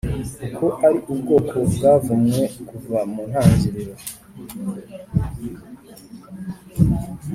kuko ari ubwoko bwavumwe kuva mu ntangiriro.